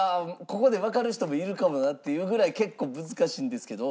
ここでわかる人もいるかもなっていうぐらい結構難しいんですけど。